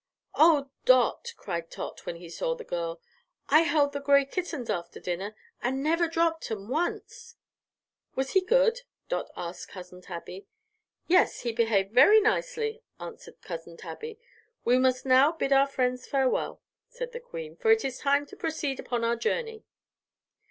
"Oh, Dot!" cried Tot, when he saw the girl. "I held the gray kittens after dinner, an' never dropped 'em once!" "Was he good?" Dot asked Cousin Tabby. "Yes, he behaved very nicely," answered Cousin Tabby. "We must now bid our friends farewell," said the Queen, "for it is time to proceed upon our journey."